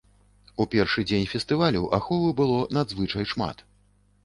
У першы дзень фестывалю аховы было надзвычай шмат.